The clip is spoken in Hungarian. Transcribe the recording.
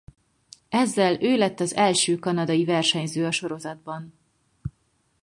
Ezzel ő lett az első kanadai versenyző a sorozatban.